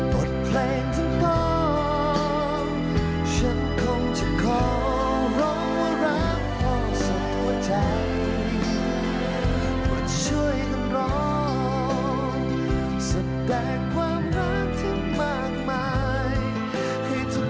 บทเพลงเหล่านี้นะครับ